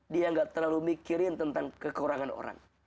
dia gak terlalu mikirin tentang kekurangan orang